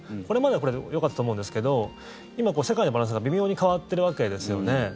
これまではこれでよかったと思うんですけど今、世界のバランスが微妙に変わってるわけですよね。